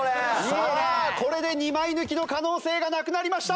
さあこれで２枚抜きの可能性がなくなりました。